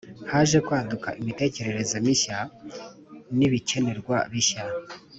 Haje kwaduka imitekerereze mishya n ibikenerwa bishya